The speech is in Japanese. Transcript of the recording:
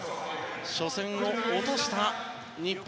初戦を落とした日本